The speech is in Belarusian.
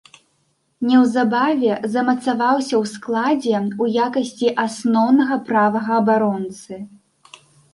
Неўзабаве замацаваўся ў складзе ў якасці асноўнага правага абаронцы.